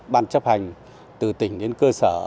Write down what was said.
ban chấp hành từ tỉnh đến cơ sở